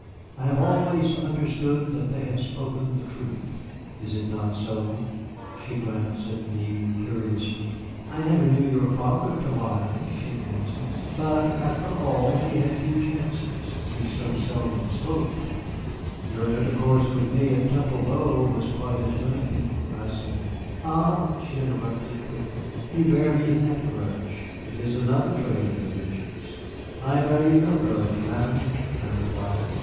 "I have always understood that they have spoken the truth. Is it not so?" She glanced at me curiously. "I never knew your father to lie," she answered; "but after all he had few chances. He so seldom spoke." "Your intercourse with me at Temple Bow was quite as limited," I said. "Ah," she interrupted quickly, "you bear me that grudge. It is another trait of the Ritchies." "I bear you no grudge, Madame," I replied.